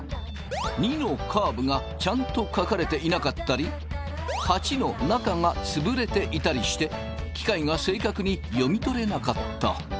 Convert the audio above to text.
２のカーブがちゃんと書かれていなかったり８の中が潰れていたりして機械が正確に読み取れなかった。